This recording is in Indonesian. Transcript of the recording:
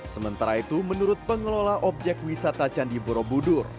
sementara itu menurut pengelola objek wisata candi borobudur